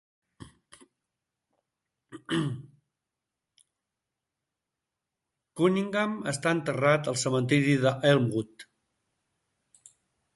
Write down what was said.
Cunningham està enterrat al cementiri d'Elmwood.